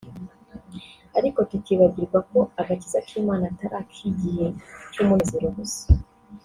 ariko tukibagirwa ko agakiza k’Imana atari ak’igihe cy’umunezero gusa